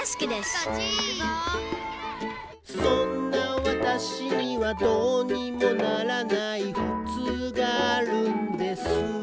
「そんな私には、どうにもならないふつうがあるんです」